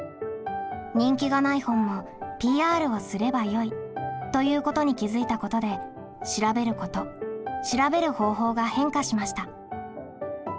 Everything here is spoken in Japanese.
「人気がない本もＰＲをすればよい」ということに気づいたことで「調べること」「調べる方法」が変化しました。